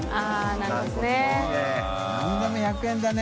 何でも１００円だね。